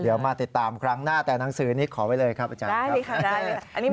เดี๋ยวมาติดตามครั้งหน้าแต่หนังสือนี้ขอไว้เลยครับอาจารย์ครับ